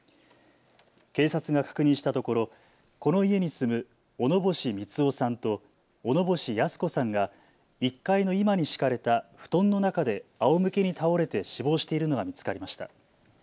警察が確認したところこの家に住む小野星三男さんと小野星泰子さんが１階の居間に敷かれた布団の中であおむけに倒れて死亡しているのが見つかりました。